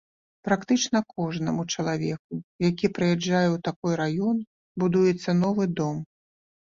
Практычна кожнаму чалавеку, які прыязджае ў такой раён, будуецца новы дом.